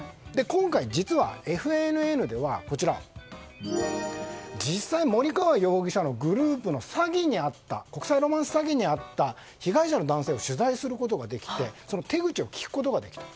今回、実はＦＮＮでは実際、森川容疑者のグループの国際ロマンス詐欺に遭った被害者の男性に取材することができてその手口を聞くことができた。